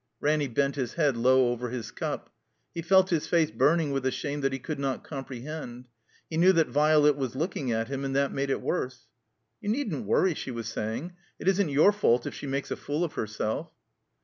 Ranny bent his head low over his cup. He felt his face burning with a shame that he could not comprehend. He knew that Violet was looking at him, and that made it worse. "You needn't worry," she was saying. "It isn't your fault if she makes a fool of herself."